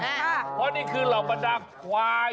เพราะวันนี้คือหลักประดับควาย